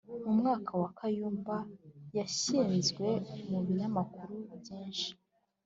mu mwaka wa kayumba yashyizwe mu binyamakuru byinshi